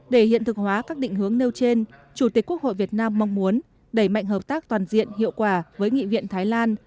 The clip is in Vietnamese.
để hiện thực hóa các định hướng nêu trên chủ tịch quốc hội việt nam mong muốn đẩy mạnh hợp tác toàn diện hiệu quả với nghị viện thái lan